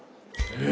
え？